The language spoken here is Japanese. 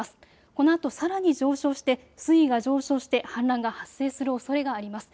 このあとさらに水位が上昇して氾濫が発生するおそれがあります。